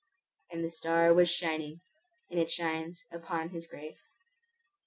And the star was shining; and it shines upon his grave.